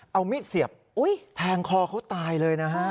เอามีดเสียบแทงคอเขาตายเลยนะฮะ